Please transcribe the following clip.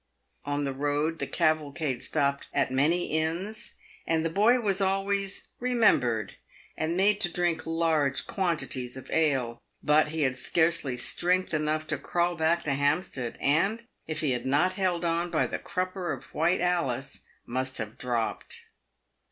On the road, the cavalcade stopped at many inns, and the boy was always " remem bered," and made to drink large quantities of ale. But he had scarcely strength enough to crawl back to Hampstead, and, if he had not held on by the crupper of White Alice, must have dropped.